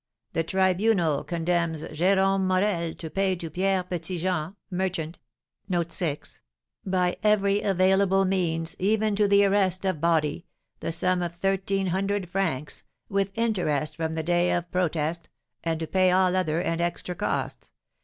The Tribunal condemns Jérome Morel to pay to Pierre Petit Jean, merchant, by every available means, even to the arrest of body, the sum of 1,300 francs, with interest from the day of protest, and to pay all other and extra costs.